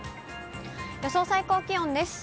予想最高気温です。